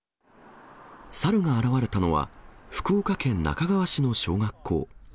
サルが現れたのは、福岡県那珂川市の小学校。